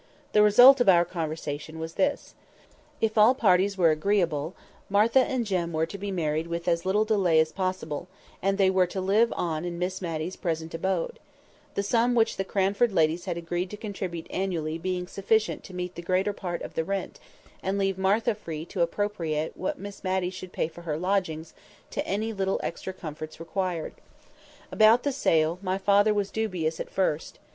The result of our conversation was this. If all parties were agreeable, Martha and Jem were to be married with as little delay as possible, and they were to live on in Miss Matty's present abode; the sum which the Cranford ladies had agreed to contribute annually being sufficient to meet the greater part of the rent, and leaving Martha free to appropriate what Miss Matty should pay for her lodgings to any little extra comforts required. About the sale, my father was dubious at first.